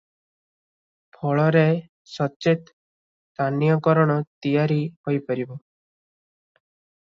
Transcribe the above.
ଫଳରେ ସଚେତ ସ୍ଥାନୀୟକରଣ ତିଆରି ହୋଇପାରିବ ।